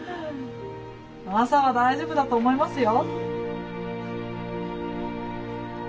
朝は大丈夫だと思いますよ。